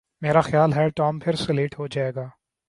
میرا خیال ہے ٹام پھر سے لیٹ ہو جائے گا